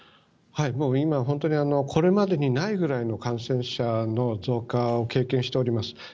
今、本当にこれまでにないぐらいの感染者の増加を経験しております。